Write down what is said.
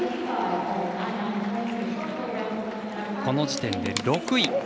この時点で６位。